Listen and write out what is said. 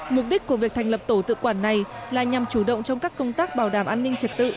mục đích của việc thành lập tổ tự quản này là nhằm chủ động trong các công tác bảo đảm an ninh trật tự